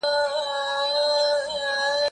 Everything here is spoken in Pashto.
سعید په خپله کتابچه کې د کلي د شنې ویالې نقشه وکښله.